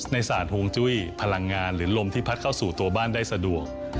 ศาสตร์ห่วงจุ้ยพลังงานหรือลมที่พัดเข้าสู่ตัวบ้านได้สะดวก